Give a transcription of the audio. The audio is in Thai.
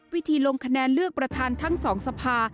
วิธีลงคะแนนเลือกประธานทั้งสองสภา